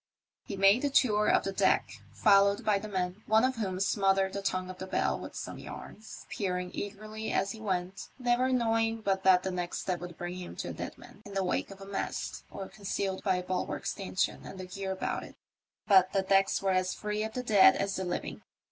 He made the tour of the deck, followed by the men, one of whom smothered the tongue of the bell with some yarns, peer ing eagerly as he went, never knowing but that the next step would bring him to a dead man in the wake of a mast, or concealed by a bulwark stanchion and the gear about it ; but the decks were as free of the dead as the living.